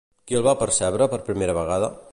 Qui el va percebre per primera vegada?